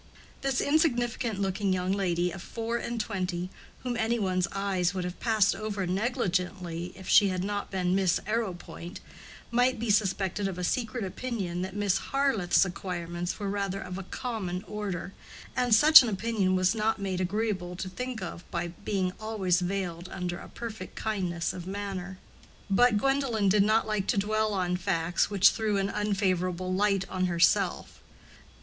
This insignificant looking young lady of four and twenty, whom any one's eyes would have passed over negligently if she had not been Miss Arrowpoint, might be suspected of a secret opinion that Miss Harleth's acquirements were rather of a common order, and such an opinion was not made agreeable to think of by being always veiled under a perfect kindness of manner. But Gwendolen did not like to dwell on facts which threw an unfavorable light on itself.